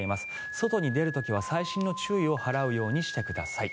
外に出る時は細心の注意を払うようにしてください。